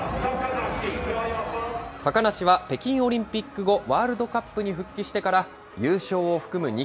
高梨は北京オリンピック後、ワールドカップに復帰してから優勝を含む